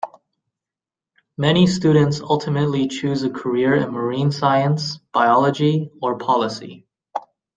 Many students ultimately choose a career in marine science, biology, or policy.